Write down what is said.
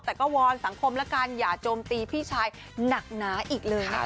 แต่ก็วอนสังคมแล้วกันอย่าโจมตีพี่ชายหนักหนาอีกเลยนะคะ